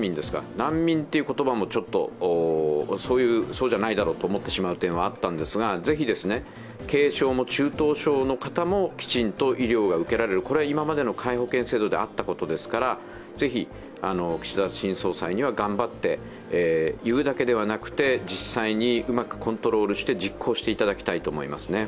「難民」っていう言葉もちょっとそうじゃないだろうと思ってしまう点もあったんですが、ぜひ、軽症も中等症の方もきちんと医療が受けられる、これは今までの皆保険制度であったことですからぜひ岸田新総裁には頑張って、言うだけではなくて実際にうまくコントロールして実行していただきたいと思いますね。